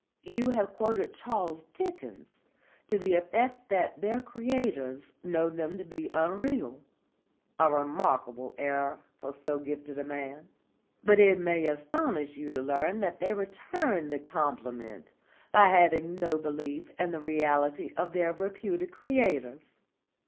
You have quoted Charles Dickens to the effect that their creators know them to be unreal a remarkable error for so gifted a man. But it may astonish you to learn that they return the compliment by having no belief in the reality of their reputed creators.